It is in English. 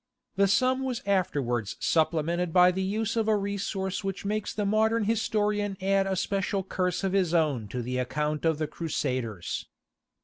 The sum was afterwards supplemented by the use of a resource which makes the modern historian add a special curse of his own to the account of the Crusaders.